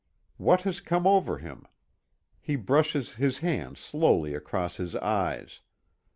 What has come over him? He brushes his hand slowly across his eyes.